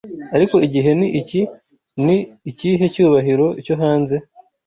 Ariko igihe ni iki? Ni ikihe cyubahiro cyo hanze?